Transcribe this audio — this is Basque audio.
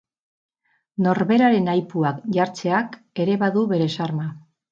Norberaren aipuak jartzeak ere badu bere xarma.